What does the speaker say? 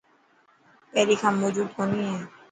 پهرين کان موجود ڪونهي هي؟